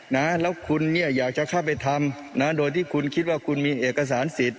นะแล้วคุณเนี่ยอยากจะเข้าไปทำนะโดยที่คุณคิดว่าคุณมีเอกสารสิทธิ